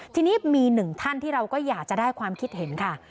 ทีนี้มีหนึ่งท่านที่เราก็อยากจะได้ความคิดเห็นค่ะ